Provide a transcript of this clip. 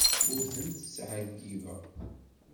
Ur ten-ttɛeyyibeɣ.